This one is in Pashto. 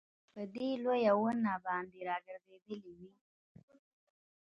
په دې لويه ونه باندي راګرځېدلې وې